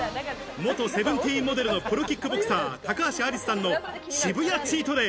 元Ｓｅｖｅｎｔｅｅｎモデルのプロキックボクサー、高橋アリスさんの渋谷チートデイ。